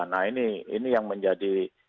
nah ini yang menjadi